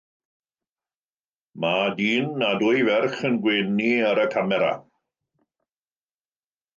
Mae dyn a dwy ferch yn gwenu ar y camera.